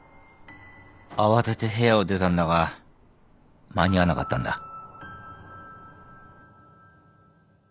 慌てて部屋を出たんだが間に合わなかったんだ。